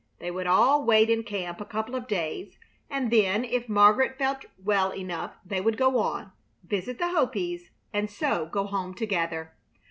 They would all wait in camp a couple of days, and then if Margaret felt well enough they would go on, visit the Hopis, and so go home together.